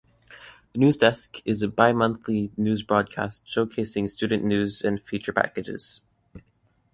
"The Newsdesk" a bi-monthly news broadcast showcasing student news and feature packages.